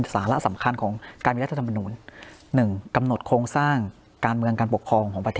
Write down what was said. สารสำคัญของการมีรัฐธรรรมนูญหนึ่งกำหนดโครงสร้างการเมืองการปกคล